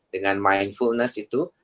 dengan mindfulness itu